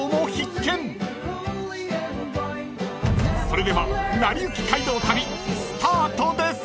［それでは『なりゆき街道旅』スタートです］